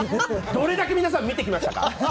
どれだけ皆さん見てきましたか。